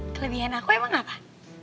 kelebihan aku emang apa